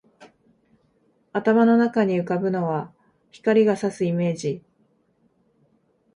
頭の中に浮ぶのは、光が射すイメージ